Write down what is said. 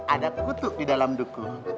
ada kutub di dalam duku